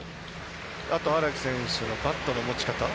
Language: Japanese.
あとは荒木選手のバットの持ち方。